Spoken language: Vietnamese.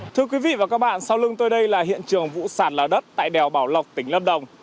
thưa quý vị và các bạn sau lưng tôi đây là hiện trường vụ sạt lở đất tại đèo bảo lộc tỉnh lâm đồng